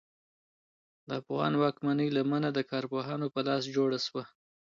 د افغان واکمنۍ لمنه د کارپوهانو په لاس جوړه شوه.